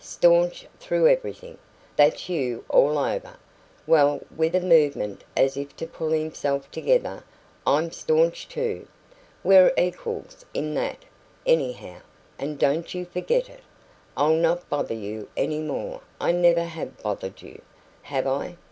Staunch through everything that's you all over. Well" with a movement as if to pull himself together "I'm staunch too. We're equals in that, anyhow, and don't you forget it. I'll not bother you any more I never have bothered you, have I?